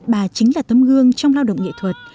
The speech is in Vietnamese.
bà chính là tấm gương trong lao động nghệ thuật